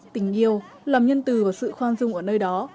tình yêu làm nhân từ và sự khoan dung ở nơi đó